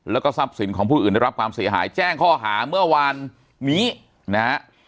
แล้วก็ทรัพย์สินของผู้อื่นได้รับความเสียหายแจ้งข้อหาเมื่อวานนี้นะฮะ